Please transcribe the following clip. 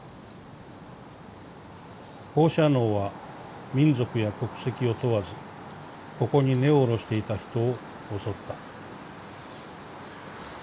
「放射能は民族や国籍を問わずここに根を下ろしていた人を襲った」。